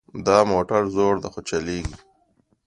دا موټر زوړ ده خو چلیږي